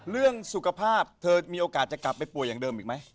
เรื่องสุขภาพเธอมีโอกาสจะกลับไปป่วยอย่างเดิมอีกไหม